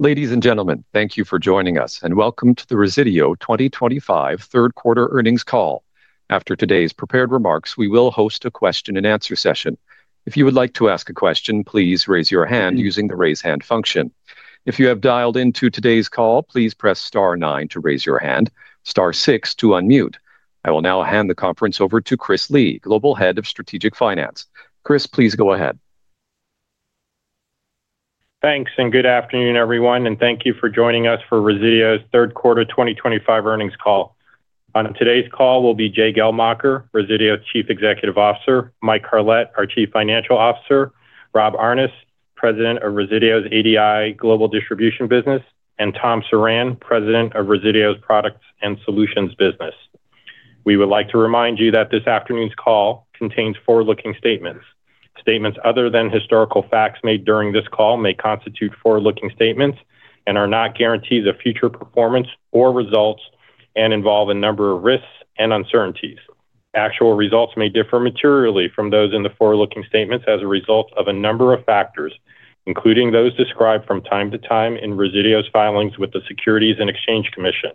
Ladies and gentlemen, thank you for joining us, and welcome to the Resideo 2025 third quarter earnings call. After today's prepared remarks, we will host a question-and-answer session. If you would like to ask a question, please raise your hand using the raise hand function. If you have dialed into today's call, please press star nine to raise your hand, star six to unmute. I will now hand the conference over to Chris Lee, Global Head of Strategic Finance. Chris, please go ahead. Thanks, and good afternoon, everyone, and thank you for joining us for Resideo's third-quarter 2025 earnings call. On today's call will be Jay Geldmacher, Resideo's Chief Executive Officer, Mike Carlet, our Chief Financial Officer, Rob Aarnes, President of Resideo's ADI Global Distribution Business, and Tom Surran, President of Resideo's Products and Solutions Business. We would like to remind you that this afternoon's call contains forward-looking statements. Statements other than historical facts made during this call may constitute forward-looking statements and are not guarantees of future performance or results and involve a number of risks and uncertainties. Actual results may differ materially from those in the forward-looking statements as a result of a number of factors, including those described from time to time in Resideo's filings with the Securities and Exchange Commission.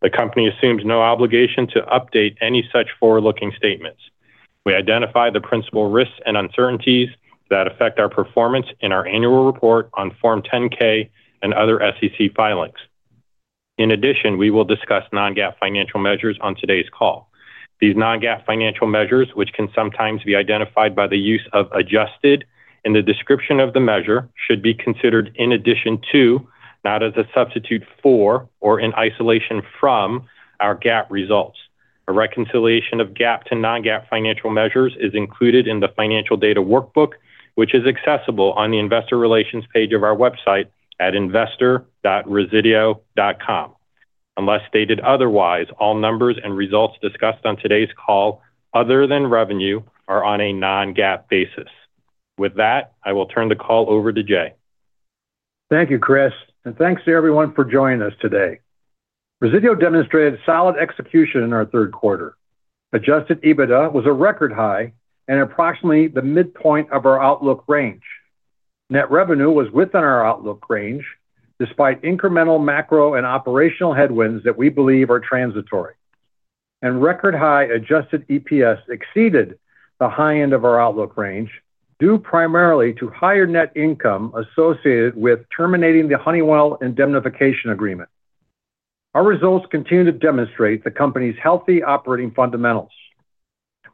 The company assumes no obligation to update any such forward-looking statements. We identify the principal risks and uncertainties that affect our performance in our annual report on Form 10-K and other SEC filings. In addition, we will discuss non-GAAP financial measures on today's call. These non-GAAP financial measures, which can sometimes be identified by the use of "adjusted" in the description of the measure, should be considered in addition to, not as a substitute for, or in isolation from, our GAAP results. A reconciliation of GAAP to non-GAAP financial measures is included in the financial data workbook, which is accessible on the Investor Relations page of our website at investor.resideo.com. Unless stated otherwise, all numbers and results discussed on today's call, other than revenue, are on a non-GAAP basis. With that, I will turn the call over to Jay. Thank you, Chris, and thanks to everyone for joining us today. Resideo demonstrated solid execution in our third quarter. Adjusted EBITDA was a record high and approximately the midpoint of our outlook range. Net revenue was within our outlook range despite incremental macro and operational headwinds that we believe are transitory. Record high adjusted EPS exceeded the high end of our outlook range due primarily to higher net income associated with terminating the Honeywell indemnification agreement. Our results continue to demonstrate the company's healthy operating fundamentals.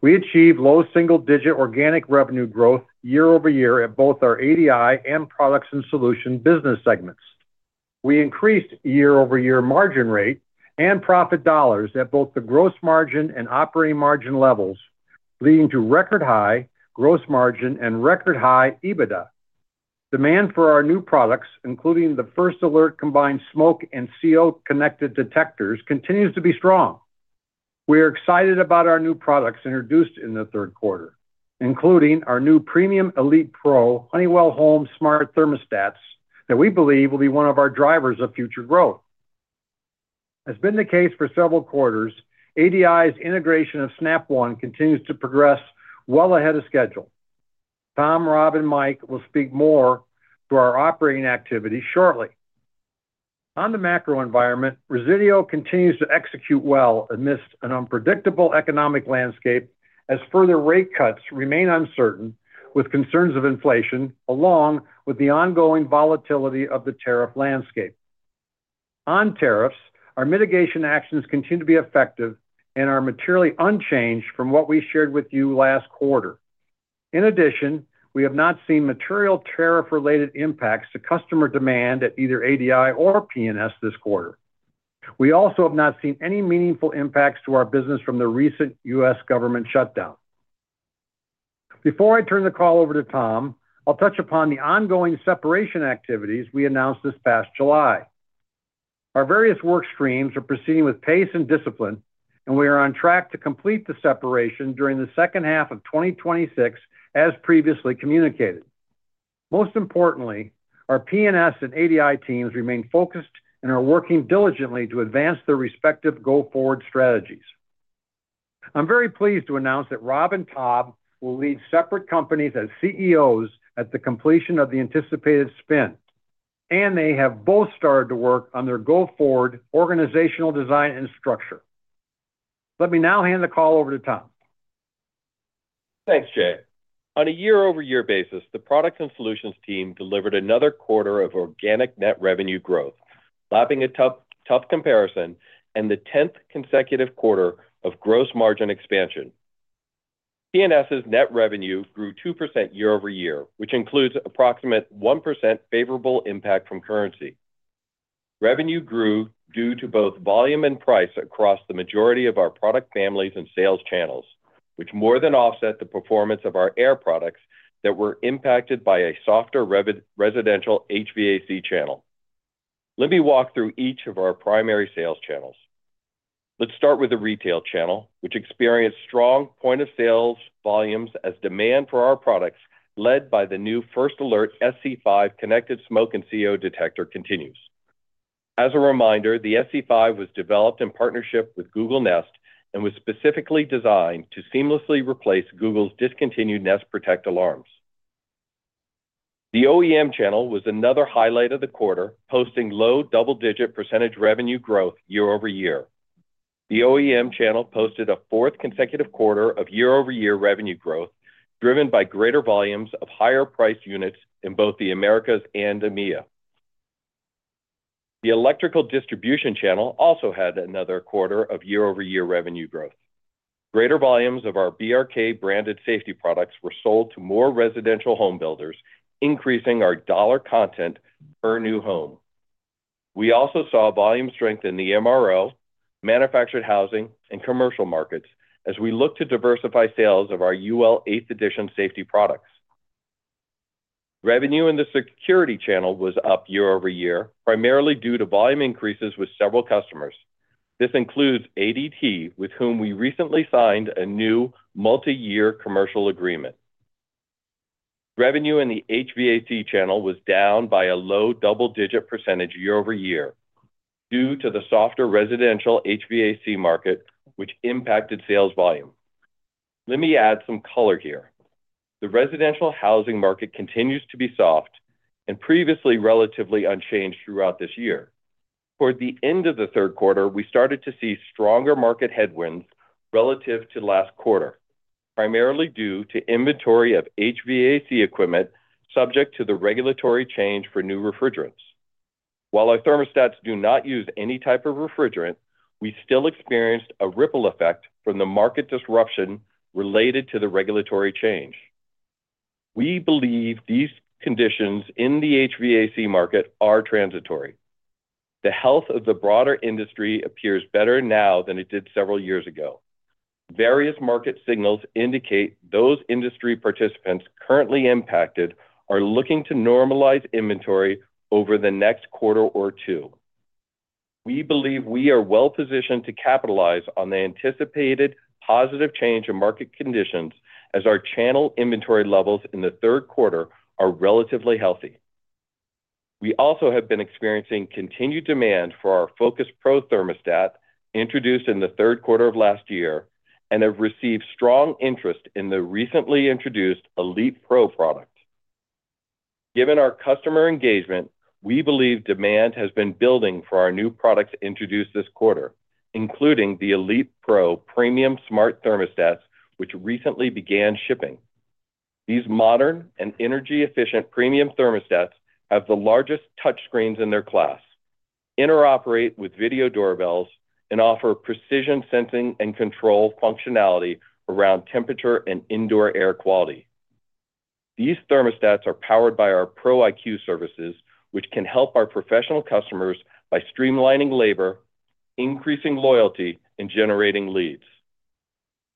We achieved low single-digit organic revenue growth year-over-year at both our ADI and Products and Solutions Business segments. We increased year-over-year margin rate and profit dollars at both the gross margin and operating margin levels, leading to record high gross margin and record high EBITDA. Demand for our new products, including the First Alert combined smoke and CO connected detectors, continues to be strong. We are excited about our new products introduced in the third quarter, including our new Premium Elite Pro Honeywell Home smart thermostats that we believe will be one of our drivers of future growth. As has been the case for several quarters, ADI's integration of Snap One continues to progress well ahead of schedule. Tom, Rob, and Mike will speak more to our operating activity shortly. On the macro environment, Resideo continues to execute well amidst an unpredictable economic landscape as further rate cuts remain uncertain with concerns of inflation, along with the ongoing volatility of the tariff landscape. On tariffs, our mitigation actions continue to be effective and are materially unchanged from what we shared with you last quarter. In addition, we have not seen material tariff-related impacts to customer demand at either ADI or P&S this quarter. We also have not seen any meaningful impacts to our business from the recent U.S. government shutdown. Before I turn the call over to Tom, I'll touch upon the ongoing separation activities we announced this past July. Our various work streams are proceeding with pace and discipline, and we are on track to complete the separation during the second half of 2026, as previously communicated. Most importantly, our P&S and ADI teams remain focused and are working diligently to advance their respective go-forward strategies. I'm very pleased to announce that Rob and Tom will lead separate companies as CEOs at the completion of the anticipated spin, and they have both started to work on their go-forward organizational design and structure. Let me now hand the call over to Tom. Thanks, Jay. On a year-over-year basis, the Products and Solutions team delivered another quarter of organic net revenue growth, lapping a tough comparison and the 10th consecutive quarter of gross margin expansion. P&S's net revenue grew 2% year-over-year, which includes approximate 1% favorable impact from currency. Revenue grew due to both volume and price across the majority of our product families and sales channels, which more than offset the performance of our air products that were impacted by a softer residential HVAC channel. Let me walk through each of our primary sales channels. Let's start with the retail channel, which experienced strong point-of-sales volumes as demand for our products led by the new First Alert SC5 Connected Smoke and CO Detector continues. As a reminder, the SC5 was developed in partnership with Google Nest and was specifically designed to seamlessly replace Google's discontinued Nest Protect alarms. The OEM channel was another highlight of the quarter, posting low double-digit % revenue growth year-over- year. The OEM channel posted a fourth consecutive quarter of year-over-year revenue growth driven by greater volumes of higher-priced units in both the Americas and EMEA. The Electrical Distribution channel also had another quarter of year-over-year revenue growth. Greater volumes of our BRK branded safety products were sold to more residential home builders, increasing our dollar content per new home. We also saw volume strength in the MRL, manufactured housing, and commercial markets as we looked to diversify sales of our UL 8th Edition safety products. Revenue in the Security channel was up year-over-year, primarily due to volume increases with several customers. This includes ADT, with whom we recently signed a new multi-year commercial agreement. Revenue in the HVAC channel was down by a low double-digit % year- over-year due to the softer residential HVAC market, which impacted sales volume. Let me add some color here. The residential housing market continues to be soft and previously relatively unchanged throughout this year. Toward the end of the third quarter, we started to see stronger market headwinds relative to last quarter, primarily due to inventory of HVAC equipment subject to the regulatory change for new refrigerants. While our thermostats do not use any type of refrigerant, we still experienced a ripple effect from the market disruption related to the regulatory change. We believe these conditions in the HVAC market are transitory. The health of the broader industry appears better now than it did several years ago. Various market signals indicate those industry participants currently impacted are looking to normalize inventory over the next quarter or two. We believe we are well-positioned to capitalize on the anticipated positive change in market conditions as our channel inventory levels in the third quarter are relatively healthy. We also have been experiencing continued demand for our Focus Pro thermostat introduced in the third quarter of last year and have received strong interest in the recently introduced Elite Pro product. Given our customer engagement, we believe demand has been building for our new products introduced this quarter, including the Elite Pro Premium Smart Thermostats, which recently began shipping. These modern and energy-efficient premium thermostats have the largest touchscreens in their class, interoperate with video doorbells, and offer precision sensing and control functionality around temperature and indoor air quality. These thermostats are powered by our ProIQ services, which can help our professional customers by streamlining labor, increasing loyalty, and generating leads.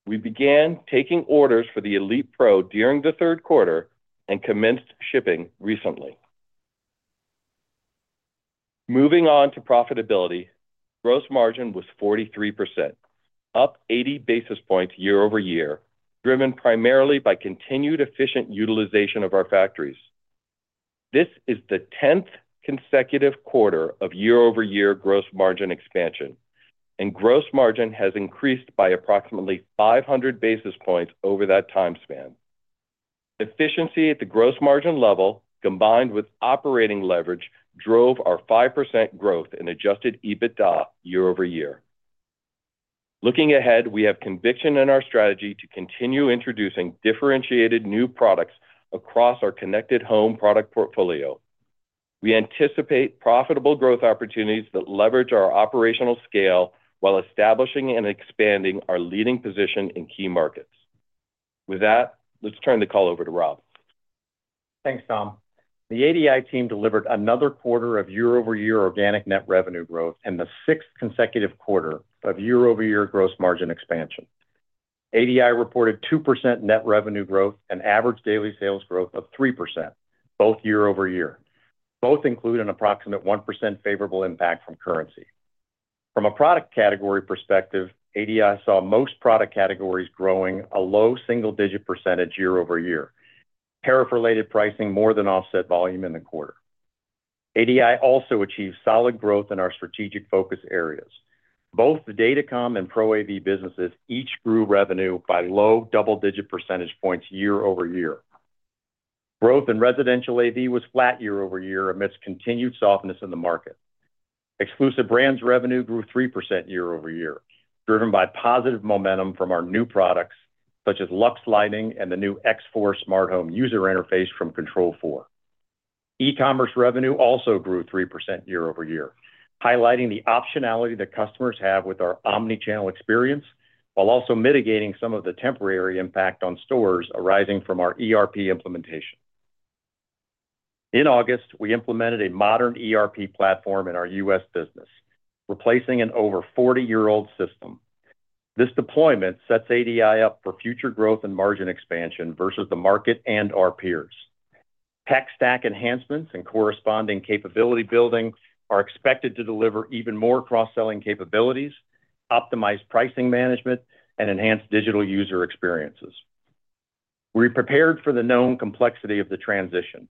We began taking orders for the Elite Pro during the third quarter and commenced shipping recently. Moving on to profitability, gross margin was 43%, up 80 basis points year-over-year, driven primarily by continued efficient utilization of our factories. This is the 10th consecutive quarter of year-over-year gross margin expansion, and gross margin has increased by approximately 500 basis points over that time span. Efficiency at the gross margin level, combined with operating leverage, drove our 5% growth in adjusted EBITDA year-over-year. Looking ahead, we have conviction in our strategy to continue introducing differentiated new products across our connected home product portfolio. We anticipate profitable growth opportunities that leverage our operational scale while establishing and expanding our leading position in key markets. With that, let's turn the call over to Rob. Thanks, Tom. The ADI team delivered another quarter of year-over-year organic net revenue growth and the sixth consecutive quarter of year-over-year gross margin expansion. ADI reported 2% net revenue growth and average daily sales growth of 3%, both year-over-year. Both include an approximate 1% favorable impact from currency. From a product category perspective, ADI saw most product categories growing a low single-digit percentage year-over-year, tariff-related pricing more than offset volume in the quarter. ADI also achieved solid growth in our strategic focus areas. Both the DataCom and ProAV businesses each grew revenue by low double-digit percentage points year-over-year. Growth in residential AV was flat year-over-year amidst continued softness in the market. Exclusive brands revenue grew 3% year-over-year, driven by positive momentum from our new products such as Lux Lighting and the new X4 Smart Home user interface from Control4. E-commerce revenue also grew 3% year-over-year, highlighting the optionality that customers have with our omnichannel experience while also mitigating some of the temporary impact on stores arising from our ERP implementation. In August, we implemented a modern ERP platform in our U.S. business, replacing an over 40-year-old system. This deployment sets ADI up for future growth and margin expansion versus the market and our peers. Tech stack enhancements and corresponding capability building are expected to deliver even more cross-selling capabilities, optimize pricing management, and enhance digital user experiences. We prepared for the known complexity of the transition.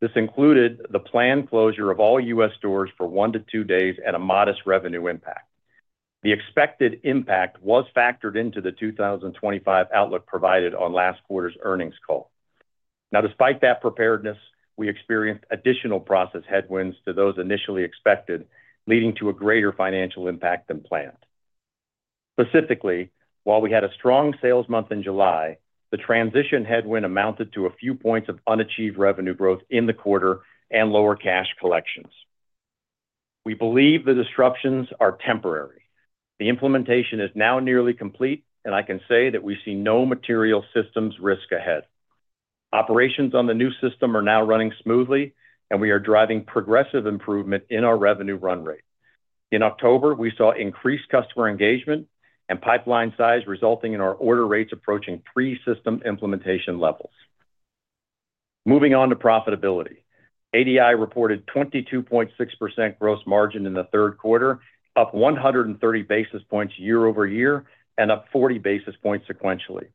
This included the planned closure of all U.S. stores for one to two days and a modest revenue impact. The expected impact was factored into the 2025 outlook provided on last quarter's earnings call. Now, despite that preparedness, we experienced additional process headwinds to those initially expected, leading to a greater financial impact than planned. Specifically, while we had a strong sales month in July, the transition headwind amounted to a few points of unachieved revenue growth in the quarter and lower cash collections. We believe the disruptions are temporary. The implementation is now nearly complete, and I can say that we see no material systems risk ahead. Operations on the new system are now running smoothly, and we are driving progressive improvement in our revenue run rate. In October, we saw increased customer engagement and pipeline size resulting in our order rates approaching pre-system implementation levels. Moving on to profitability, ADI reported 22.6% gross margin in the third quarter, up 130 basis points year-over- year and up 40 basis points sequentially.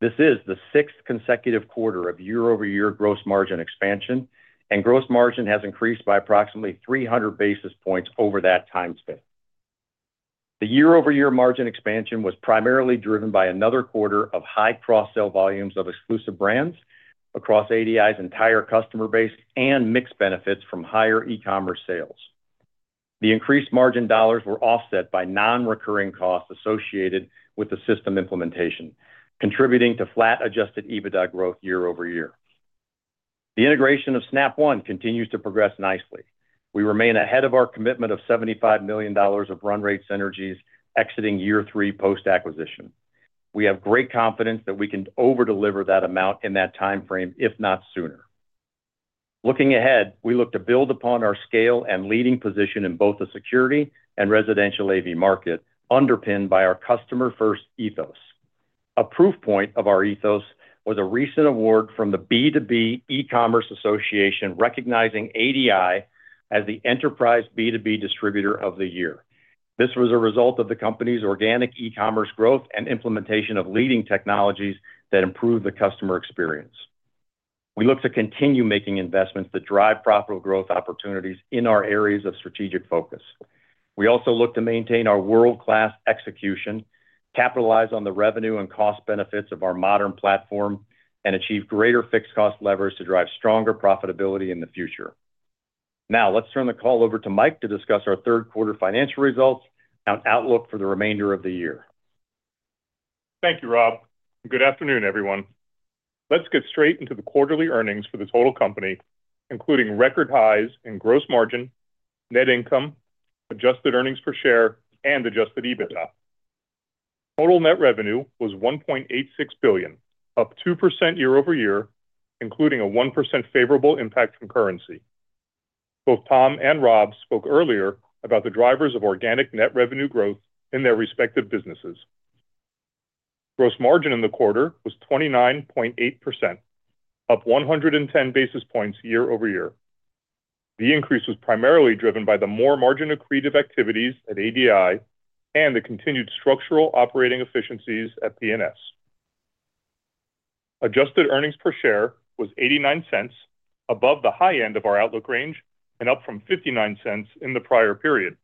This is the sixth consecutive quarter of year-over-year gross margin expansion, and gross margin has increased by approximately 300 basis points over that time span. The year-over-year margin expansion was primarily driven by another quarter of high cross-sale volumes of exclusive brands across ADI's entire customer base and mixed benefits from higher e-commerce sales. The increased margin dollars were offset by non-recurring costs associated with the system implementation, contributing to flat adjusted EBITDA growth year-over-year. The integration of Snap One continues to progress nicely. We remain ahead of our commitment of $75 million of run rate synergies exiting year three post-acquisition. We have great confidence that we can overdeliver that amount in that time frame, if not sooner. Looking ahead, we look to build upon our scale and leading position in both the security and residential AV market, underpinned by our customer-first ethos. A proof point of our ethos was a recent award from the B2B E-commerce Association, recognizing ADI as the Enterprise B2B Distributor of the Year. This was a result of the company's organic e-commerce growth and implementation of leading technologies that improved the customer experience. We look to continue making investments that drive profitable growth opportunities in our areas of strategic focus. We also look to maintain our world-class execution, capitalize on the revenue and cost benefits of our modern platform, and achieve greater fixed cost levers to drive stronger profitability in the future. Now, let's turn the call over to Mike to discuss our third quarter financial results and outlook for the remainder of the year. Thank you, Rob. Good afternoon, everyone. Let's get straight into the quarterly earnings for the total company, including record highs in gross margin, net income, adjusted earnings per share, and adjusted EBITDA. Total net revenue was $1.86 billion, up 2% year-over-year, including a 1% favorable impact from currency. Both Tom and Rob spoke earlier about the drivers of organic net revenue growth in their respective businesses. Gross margin in the quarter was 29.8%, up 110 basis points year-over-year. The increase was primarily driven by the more margin accretive activities at ADI and the continued structural operating efficiencies at P&S. Adjusted earnings per share was $0.89, above the high end of our outlook range and up from $0.59 in the prior period.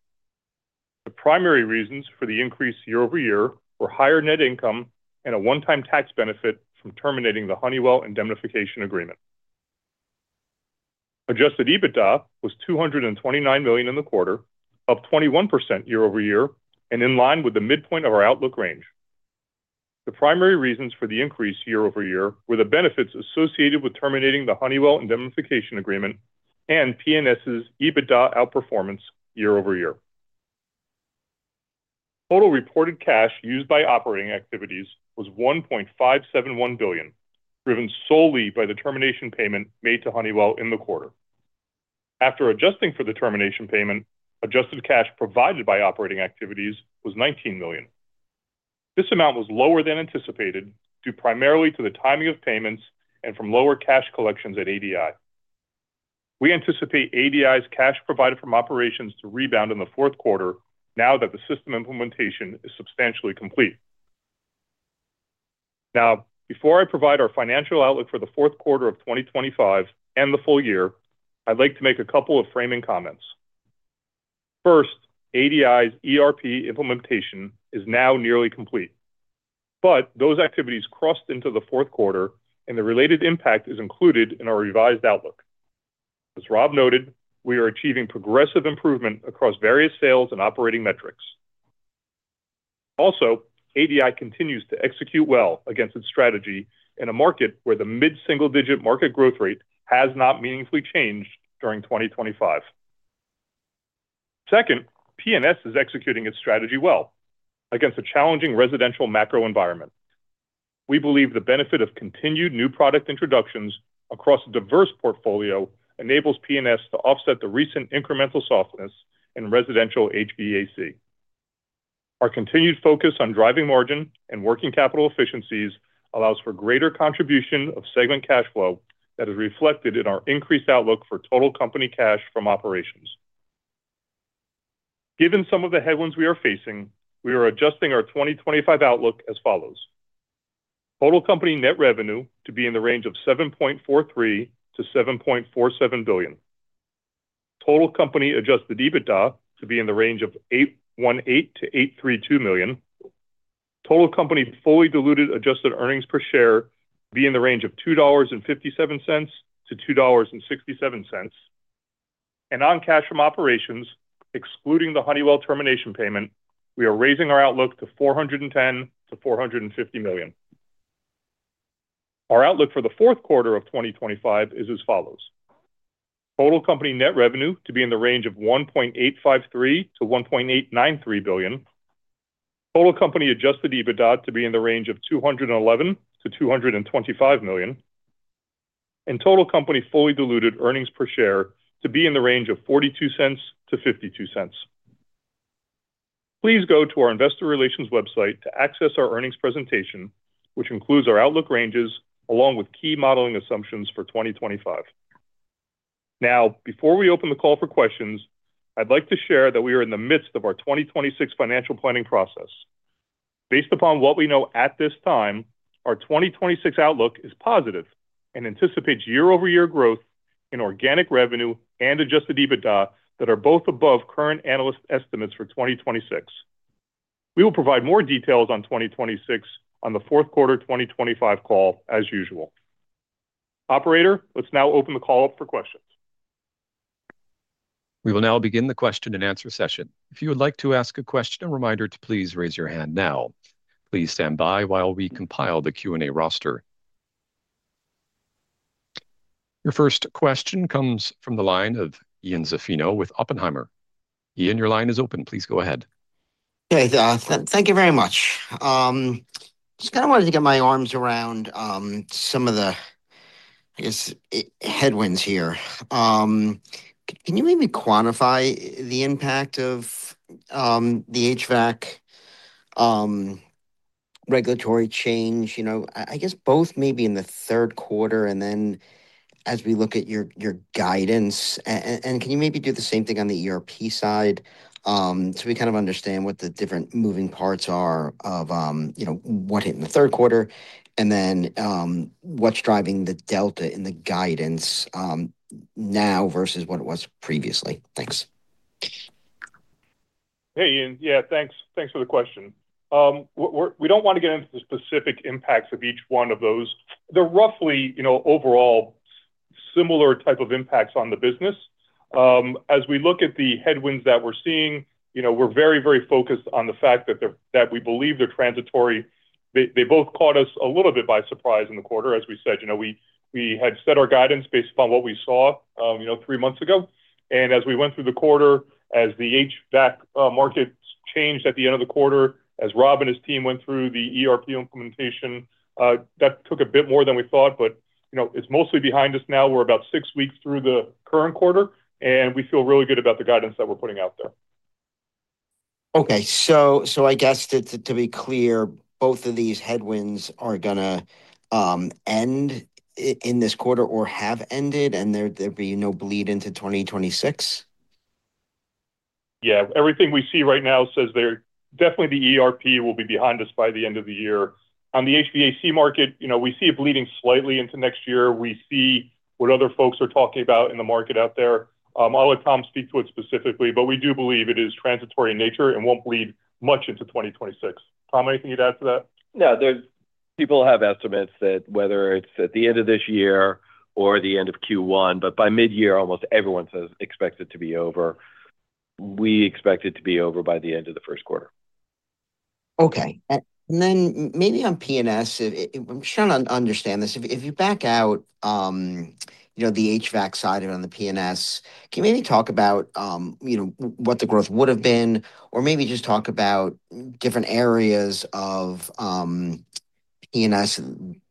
The primary reasons for the increase year-over-year were higher net income and a one-time tax benefit from terminating the Honeywell indemnification agreement. Adjusted EBITDA was $229 million in the quarter, up 21% year-over-year, and in line with the midpoint of our outlook range. The primary reasons for the increase year -over-year were the benefits associated with terminating the Honeywell indemnification agreement and P&S's EBITDA outperformance year-over-year. Total reported cash used by operating activities was $1.571 billion, driven solely by the termination payment made to Honeywell in the quarter. After adjusting for the termination payment, adjusted cash provided by operating activities was $19 million. This amount was lower than anticipated due primarily to the timing of payments and from lower cash collections at ADI. We anticipate ADI's cash provided from operations to rebound in the fourth quarter now that the system implementation is substantially complete. Now, before I provide our financial outlook for the fourth quarter of 2025 and the full year, I'd like to make a couple of framing comments. First, ADI's ERP implementation is now nearly complete, but those activities crossed into the fourth quarter and the related impact is included in our revised outlook. As Rob noted, we are achieving progressive improvement across various sales and operating metrics. Also, ADI continues to execute well against its strategy in a market where the mid-single-digit market growth rate has not meaningfully changed during 2025. Second, P&S is executing its strategy well against a challenging residential macro environment. We believe the benefit of continued new product introductions across a diverse portfolio enables P&S to offset the recent incremental softness in residential HVAC. Our continued focus on driving margin and working capital efficiencies allows for greater contribution of segment cash flow that is reflected in our increased outlook for total company cash from operations. Given some of the headwinds we are facing, we are adjusting our 2025 outlook as follows. Total company net revenue to be in the range of $7.43 billion-$7.47 billion. Total company adjusted EBITDA to be in the range of $818 million-$832 million. Total company fully diluted adjusted earnings per share to be in the range of $2.57-$2.67. On cash from operations, excluding the Honeywell termination payment, we are raising our outlook to $410 million-$450 million. Our outlook for the fourth quarter of 2025 is as follows. Total company net revenue to be in the range of $1.853 billion-$1.893 billion. Total company adjusted EBITDA to be in the range of $211 million-$225 million. Total company fully diluted earnings per share to be in the range of $0.42-$0.52. Please go to our investor relations website to access our earnings presentation, which includes our outlook ranges along with key modeling assumptions for 2025. Now, before we open the call for questions, I'd like to share that we are in the midst of our 2026 financial planning process. Based upon what we know at this time, our 2026 outlook is positive and anticipates year-over-year growth in organic revenue and adjusted EBITDA that are both above current analyst estimates for 2026. We will provide more details on 2026 on the fourth quarter 2025 call, as usual. Operator, let's now open the call up for questions. We will now begin the question and answer session. If you would like to ask a question, a reminder to please raise your hand now. Please stand by while we compile the Q&A roster. Your first question comes from the line of Ian Zaffino with Oppenheimer. Ian, your line is open. Please go ahead. Hey, thank you very much. Just kind of wanted to get my arms around some of the, I guess, headwinds here. Can you maybe quantify the impact of the HVAC regulatory change? I guess both maybe in the third quarter and then as we look at your guidance. Can you maybe do the same thing on the ERP side so we kind of understand what the different moving parts are of what hit in the third quarter and then what's driving the delta in the guidance now versus what it was previously? Thanks. Hey, Ian. Yeah, thanks. Thanks for the question. We don't want to get into the specific impacts of each one of those. They're roughly overall similar type of impacts on the business. As we look at the headwinds that we're seeing, we're very, very focused on the fact that we believe they're transitory. They both caught us a little bit by surprise in the quarter. As we said, we had set our guidance based upon what we saw three months ago. As we went through the quarter, as the HVAC market changed at the end of the quarter, as Rob and his team went through the ERP implementation, that took a bit more than we thought. It's mostly behind us now. We're about six weeks through the current quarter, and we feel really good about the guidance that we're putting out there. Okay. So I guess to be clear, both of these headwinds are going to end in this quarter or have ended, and there'll be no bleed into 2026? Yeah. Everything we see right now says definitely the ERP will be behind us by the end of the year. On the HVAC market, we see it bleeding slightly into next year. We see what other folks are talking about in the market out there. I'll let Tom speak to it specifically, but we do believe it is transitory in nature and won't bleed much into 2026. Tom, anything you'd add to that? No. People have estimates that whether it is at the end of this year or the end of Q1, but by mid-year, almost everyone says expects it to be over. We expect it to be over by the end of the first quarter. Okay. And then maybe on P&S, I'm sure I don't understand this. If you back out the HVAC side and on the P&S, can you maybe talk about what the growth would have been or maybe just talk about different areas of P&S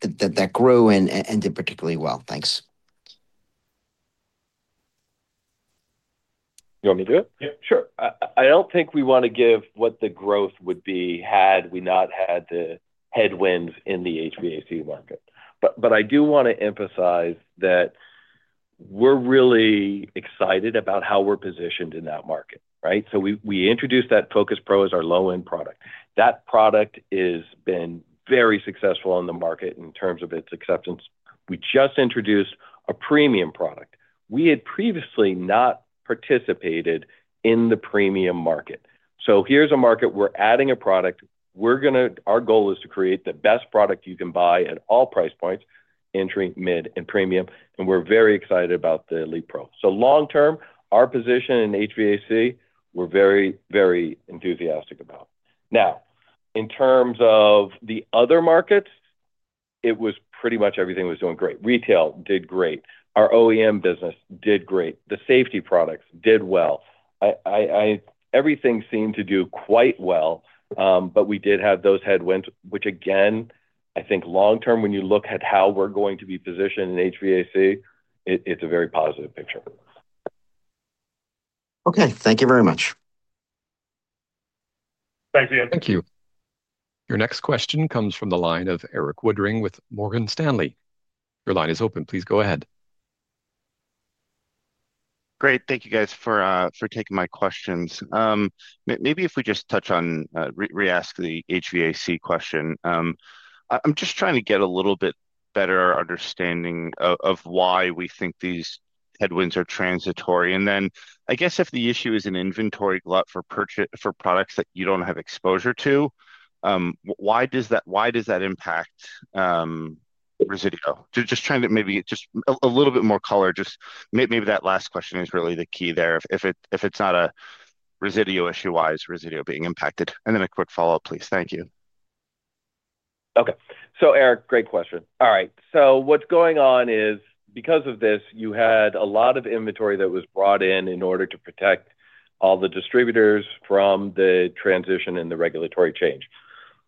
that grew and did particularly well? Thanks. You want me to do it? Yeah. Sure. I don't think we want to give what the growth would be had we not had the headwinds in the HVAC market. I do want to emphasize that. We're really excited about how we're positioned in that market, right? We introduced that Focus Pro as our low-end product. That product has been very successful in the market in terms of its acceptance. We just introduced a premium product. We had previously not participated in the premium market. Here's a market. We're adding a product. Our goal is to create the best product you can buy at all price points, entering mid and premium. We're very excited about the Leap Pro. Long term, our position in HVAC, we're very, very enthusiastic about. In terms of the other markets, it was pretty much everything was doing great. Retail did great. Our OEM business did great. The safety products did well. Everything seemed to do quite well, but we did have those headwinds, which, again, I think long term, when you look at how we're going to be positioned in HVAC, it's a very positive picture. Okay. Thank you very much. Thanks, Ian. Thank you. Your next question comes from the line of Erik Woodring with Morgan Stanley. Your line is open. Please go ahead. Great. Thank you, guys, for taking my questions. Maybe if we just touch on re-ask the HVAC question. I'm just trying to get a little bit better understanding of why we think these headwinds are transitory. I guess if the issue is an inventory glut for products that you don't have exposure to, why does that impact Resideo? Just trying to maybe get a little bit more color. Maybe that last question is really the key there. If it's not a Resideo issue, why is Resideo being impacted? And then a quick follow-up, please. Thank you. Okay. Eric, great question. All right. What's going on is because of this, you had a lot of inventory that was brought in in order to protect all the distributors from the transition and the regulatory change.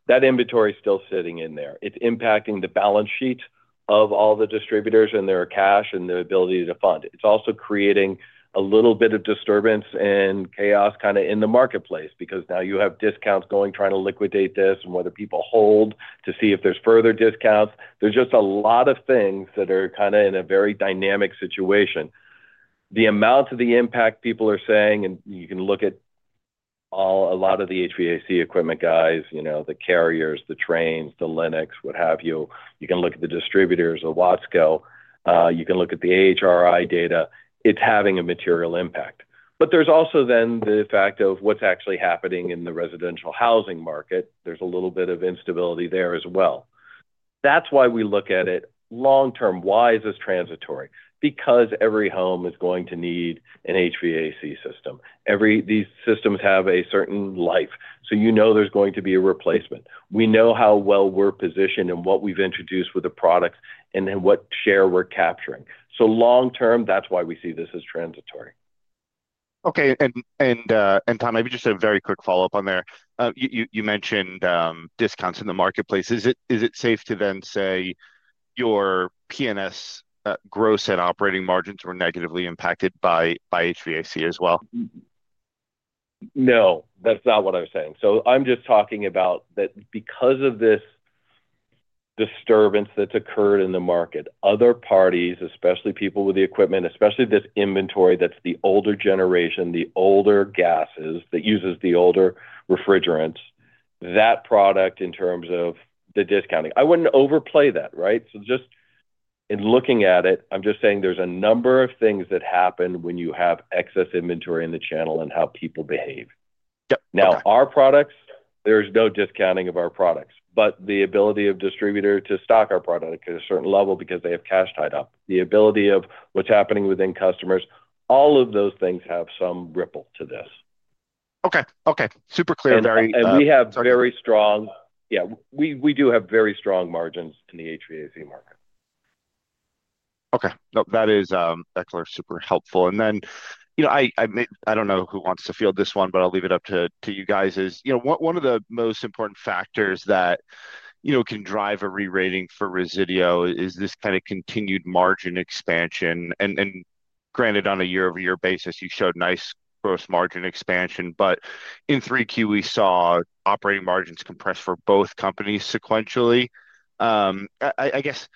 That inventory is still sitting in there. It's impacting the balance sheet of all the distributors and their cash and their ability to fund. It's also creating a little bit of disturbance and chaos kind of in the marketplace because now you have discounts going, trying to liquidate this and whether people hold to see if there's further discounts. There's just a lot of things that are kind of in a very dynamic situation. The amount of the impact people are saying, and you can look at a lot of the HVAC equipment guys, the Carriers, the Tranes, the Lennox, what have you. You can look at the distributors of Wasco. You can look at the HRI data. It's having a material impact. There is also then the fact of what's actually happening in the residential housing market. There's a little bit of instability there as well. That's why we look at it long term. Why is this transitory? Because every home is going to need an HVAC system. These systems have a certain life. So you know there's going to be a replacement. We know how well we're positioned and what we've introduced with the products and then what share we're capturing. Long term, that's why we see this as transitory. Okay. Tom, maybe just a very quick follow-up on there. You mentioned discounts in the marketplace. Is it safe to then say your P&S gross and operating margins were negatively impacted by HVAC as well? No. That's not what I'm saying. I'm just talking about that because of this disturbance that's occurred in the market, other parties, especially people with the equipment, especially this inventory that's the older generation, the older gases that use the older refrigerants, that product in terms of the discounting. I wouldn't overplay that, right? Just in looking at it, I'm just saying there's a number of things that happen when you have excess inventory in the channel and how people behave. Now, our products, there's no discounting of our products, but the ability of distributors to stock our product to a certain level because they have cash tied up, the ability of what's happening within customers, all of those things have some ripple to this. Okay. Okay. Super clear. Yeah, we do have very strong margins in the HVAC market. Okay. No, that is super helpful. I do not know who wants to field this one, but I will leave it up to you guys. One of the most important factors that can drive a re-rating for Resideo is this kind of continued margin expansion. Granted, on a year-over-year basis, you showed nice gross margin expansion, but in 3Q, we saw operating margins compress for both companies sequentially. I guess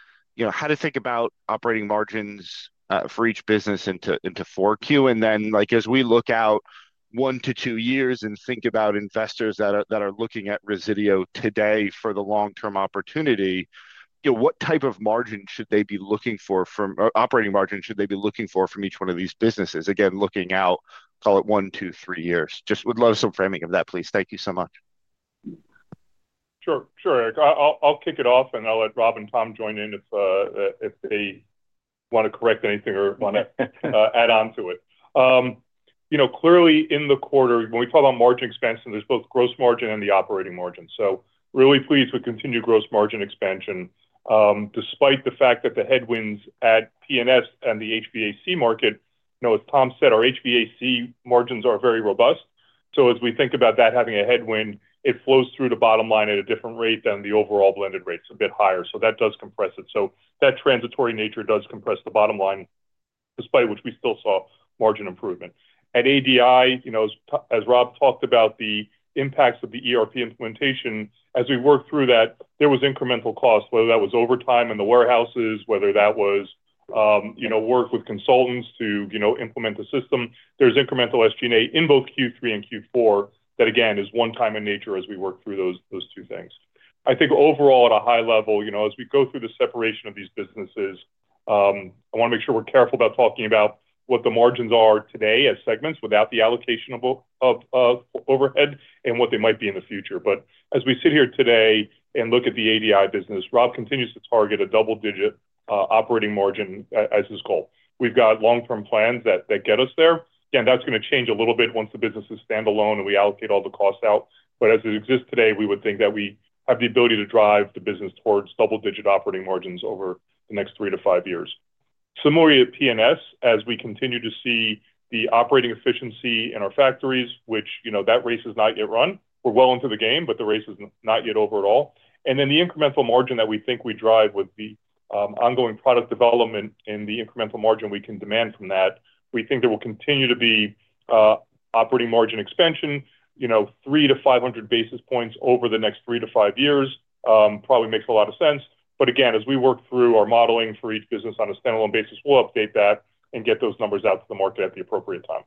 how to think about operating margins for each business into 4Q. As we look out one to two years and think about investors that are looking at Resideo today for the long-term opportunity, what type of margin should they be looking for from operating margin should they be looking for from each one of these businesses? Again, looking out, call it one, two, three years. Just would love some framing of that, please. Thank you so much. Sure. Sure, Erik. I'll kick it off, and I'll let Rob and Tom join in if they want to correct anything or want to add on to it. Clearly, in the quarter, when we talk about margin expansion, there's both gross margin and the operating margin. Really pleased with continued gross margin expansion. Despite the fact that the headwinds at P&S and the HVAC market, as Tom said, our HVAC margins are very robust. As we think about that having a headwind, it flows through the bottom line at a different rate than the overall blended rate. It's a bit higher. That does compress it. That transitory nature does compress the bottom line, despite which we still saw margin improvement. At ADI, as Rob talked about the impacts of the ERP implementation, as we worked through that, there was incremental cost, whether that was overtime in the warehouses, whether that was work with consultants to implement the system. There is incremental SG&A in both Q3 and Q4 that, again, is one-time in nature as we work through those two things. I think overall, at a high level, as we go through the separation of these businesses, I want to make sure we're careful about talking about what the margins are today as segments without the allocation of overhead and what they might be in the future. As we sit here today and look at the ADI business, Rob continues to target a double-digit operating margin as his goal. We've got long-term plans that get us there. Again, that's going to change a little bit once the business is standalone and we allocate all the costs out. As it exists today, we would think that we have the ability to drive the business towards double-digit operating margins over the next three to five years. Similarly, at P&S, as we continue to see the operating efficiency in our factories, which that race has not yet run. We're well into the game, but the race is not yet over at all. The incremental margin that we think we drive with the ongoing product development and the incremental margin we can demand from that, we think there will continue to be operating margin expansion. 300-500 basis points over the next three to five years probably makes a lot of sense. As we work through our modeling for each business on a standalone basis, we'll update that and get those numbers out to the market at the appropriate time.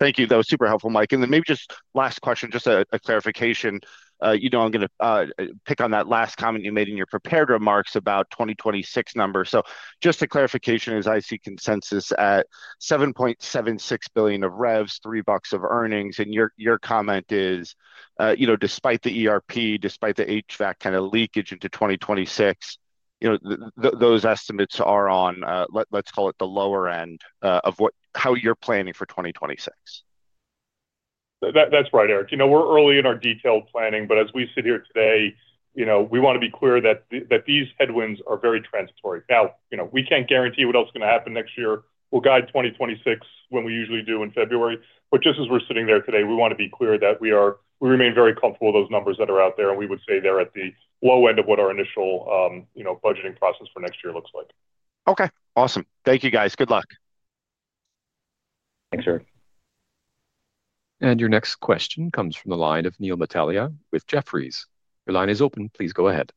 Thank you. That was super helpful, Mike. Maybe just last question, just a clarification. I'm going to pick on that last comment you made in your prepared remarks about 2026 numbers. Just a clarification, as I see consensus at $7.76 billion of revs, $3 of earnings. Your comment is, despite the ERP, despite the HVAC kind of leakage into 2026, those estimates are on, let's call it the lower end of how you're planning for 2026. That's right, Eric. We're early in our detailed planning, but as we sit here today, we want to be clear that these headwinds are very transitory. Now, we can't guarantee what else is going to happen next year. We'll guide 2026 when we usually do in February. Just as we're sitting there today, we want to be clear that we remain very comfortable with those numbers that are out there, and we would say they're at the low end of what our initial budgeting process for next year looks like. Okay. Awesome. Thank you, guys. Good luck. Thanks, Eric. Your next question comes from the line of Neil Metellia with Jefferies. Your line is open. Please go ahead.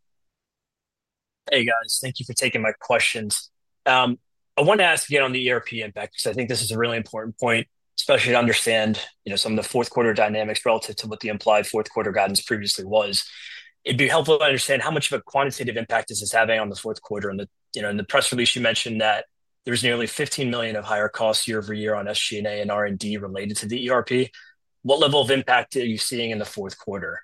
Hey, guys. Thank you for taking my questions. I want to ask again on the ERP impact because I think this is a really important point, especially to understand some of the fourth-quarter dynamics relative to what the implied fourth-quarter guidance previously was. It'd be helpful to understand how much of a quantitative impact is this having on the fourth quarter. In the press release, you mentioned that there's nearly $15 million of higher costs year-over-year on SG&A and R&D related to the ERP. What level of impact are you seeing in the fourth quarter?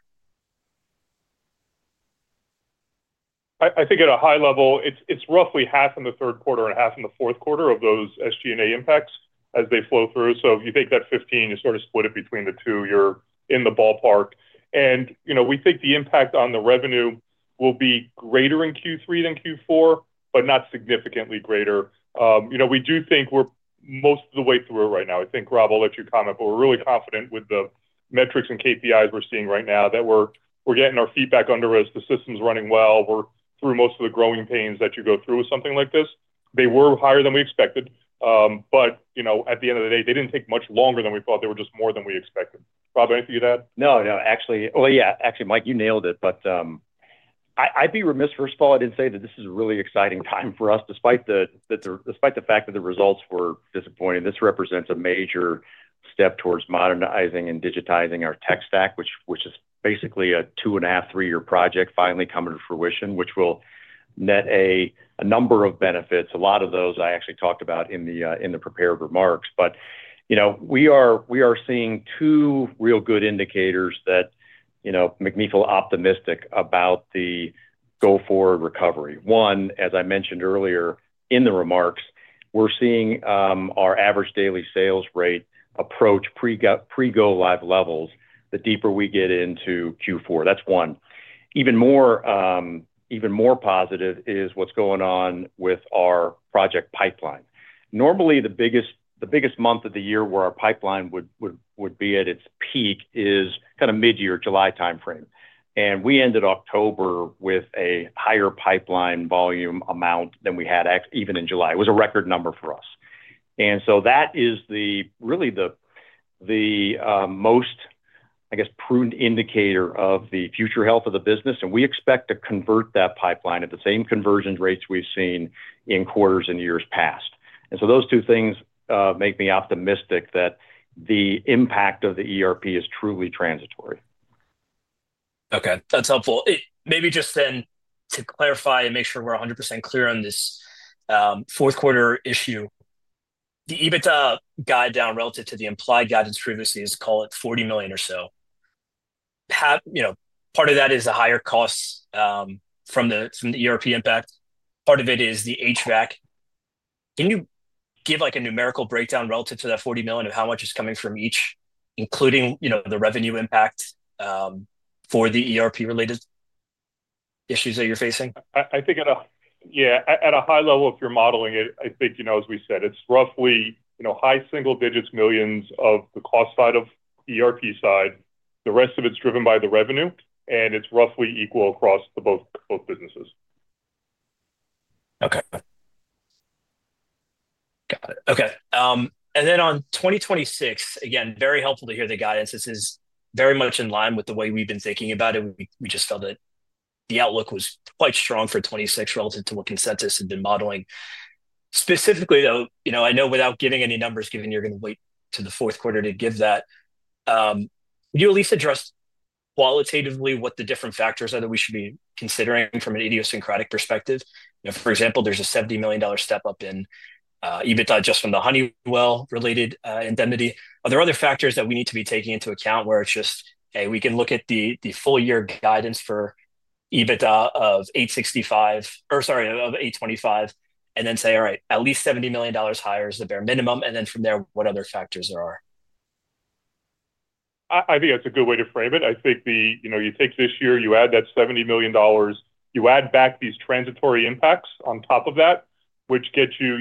I think at a high level, it's roughly half in the third quarter and half in the fourth quarter of those SG&A impacts as they flow through. If you take that 15, you sort of split it between the two, you're in the ballpark. We think the impact on the revenue will be greater in Q3 than Q4, but not significantly greater. We do think we're most of the way through it right now. I think Rob, I'll let you comment, but we're really confident with the metrics and KPIs we're seeing right now that we're getting our feedback under as the system's running well, we're through most of the growing pains that you go through with something like this. They were higher than we expected. At the end of the day, they didn't take much longer than we thought. They were just more than we expected. Rob, anything you'd add? No, no. Yeah, actually, Mike, you nailed it. I'd be remiss, first of all, if I didn't say that this is a really exciting time for us. Despite the fact that the results were disappointing, this represents a major step towards modernizing and digitizing our tech stack, which is basically a two-and-a-half, three-year project finally coming to fruition, which will net a number of benefits. A lot of those I actually talked about in the prepared remarks. We are seeing two real good indicators that make me feel optimistic about the go-forward recovery. One, as I mentioned earlier in the remarks, we're seeing our average daily sales rate approach pre-go live levels the deeper we get into Q4. That's one. Even more positive is what's going on with our project pipeline. Normally, the biggest month of the year where our pipeline would be at its peak is kind of mid-year, July timeframe. We ended October with a higher pipeline volume amount than we had even in July. It was a record number for us. That is really the most, I guess, prudent indicator of the future health of the business. We expect to convert that pipeline at the same conversion rates we've seen in quarters and years past. Those two things make me optimistic that the impact of the ERP is truly transitory. Okay. That's helpful. Maybe just then to clarify and make sure we're 100% clear on this. Fourth-quarter issue. The EBITDA guide down relative to the implied guidance previously is, call it, $40 million or so. Part of that is the higher costs from the ERP impact. Part of it is the HVAC. Can you give a numerical breakdown relative to that $40 million of how much is coming from each, including the revenue impact. For the ERP-related issues that you're facing? Yeah. At a high level, if you're modeling it, I think, as we said, it's roughly high single digits, millions on the cost side of ERP side. The rest of it's driven by the revenue, and it's roughly equal across both businesses. Okay. Got it. Okay. On 2026, again, very helpful to hear the guidance. This is very much in line with the way we've been thinking about it. We just felt that the outlook was quite strong for 2026 relative to what consensus had been modeling. Specifically, though, I know without giving any numbers, given you're going to wait to the fourth quarter to give that. Could you at least address qualitatively what the different factors are that we should be considering from an idiosyncratic perspective? For example, there's a $70 million step up in EBITDA just from the Honeywell-related indemnity. Are there other factors that we need to be taking into account where it's just, hey, we can look at the full-year guidance for EBITDA of $865 million or, sorry, of $825 million, and then say, "All right, at least $70 million higher is the bare minimum." From there, what other factors there are? I think that's a good way to frame it. I think you take this year, you add that $70 million, you add back these transitory impacts on top of that, which gets you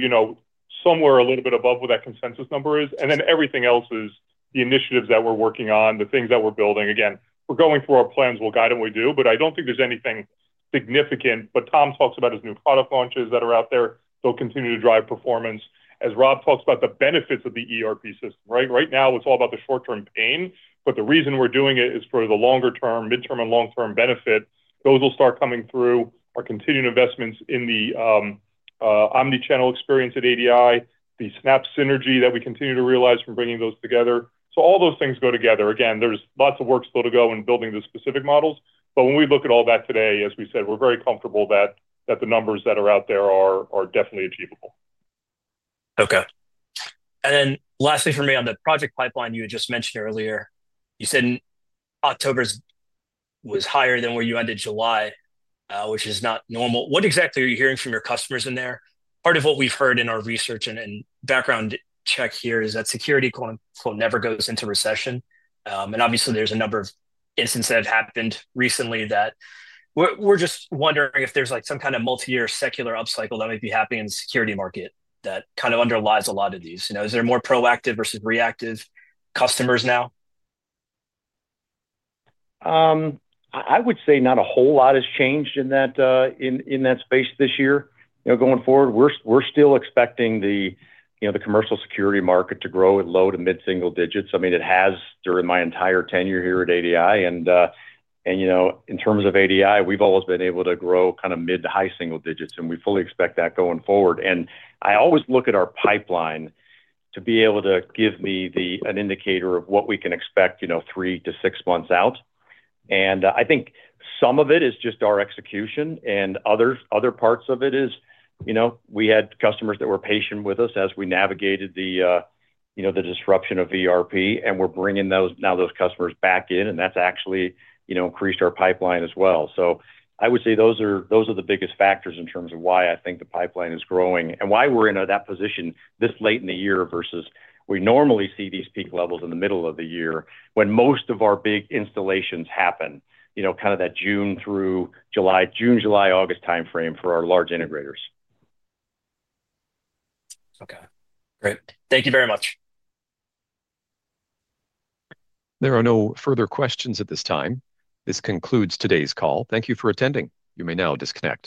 somewhere a little bit above what that consensus number is. Then everything else is the initiatives that we're working on, the things that we're building. Again, we're going through our plans. We'll guide them when we do. I don't think there's anything significant. Tom talks about his new product launches that are out there. They'll continue to drive performance. As Rob talks about the benefits of the ERP system, right? Right now, it's all about the short-term pain. The reason we're doing it is for the longer-term, midterm, and long-term benefit. Those will start coming through our continued investments in the Omnichannel experience at ADI, the Snap Synergy that we continue to realize from bringing those together. All those things go together. Again, there's lots of work still to go in building the specific models. When we look at all that today, as we said, we're very comfortable that the numbers that are out there are definitely achievable. Okay. Lastly for me, on the project pipeline you had just mentioned earlier, you said October was higher than where you ended July, which is not normal. What exactly are you hearing from your customers in there? Part of what we've heard in our research and background check here is that security never goes into recession. Obviously, there's a number of incidents that have happened recently. We're just wondering if there's some kind of multi-year secular upcycle that might be happening in the security market that kind of underlies a lot of these. Is there more proactive versus reactive customers now? I would say not a whole lot has changed in that space this year. Going forward, we're still expecting the commercial security market to grow at low to mid-single digits. I mean, it has during my entire tenure here at ADI. In terms of ADI, we've always been able to grow kind of mid to high single digits, and we fully expect that going forward. I always look at our pipeline to be able to give me an indicator of what we can expect three to six months out. I think some of it is just our execution, and other parts of it is we had customers that were patient with us as we navigated the disruption of ERP, and we're bringing now those customers back in, and that's actually increased our pipeline as well. I would say those are the biggest factors in terms of why I think the pipeline is growing and why we're in that position this late in the year versus we normally see these peak levels in the middle of the year when most of our big installations happen, kind of that June through July, June, July, August timeframe for our large integrators. Okay. Great. Thank you very much. There are no further questions at this time. This concludes today's call. Thank you for attending. You may now disconnect.